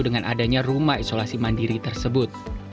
dengan adanya rumah isolasi mandiri tersebut